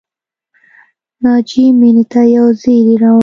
ناجیې مینې ته یو زېری راوړ